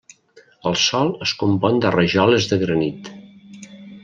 El sòl es compon de rajoles de granit.